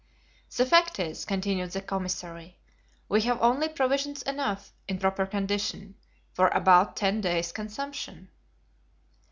"The fact is," continued the commissary, "we have only provisions enough, in proper condition, for about ten days' consumption."